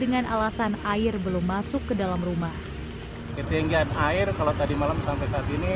dengan alasan air belum masuk ke dalam rumah ketinggian air kalau tadi malam sampai saat ini